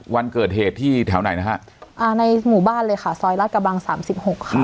วันเกิดเหตุที่แถวไหนนะคะในหมู่บ้านเลยค่ะซอยรัดกระบัง๓๖ครับ